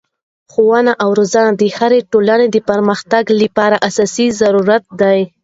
ښوونه او روزنه د هري ټولني د پرمختګ له پاره اساسي ضرورت دئ.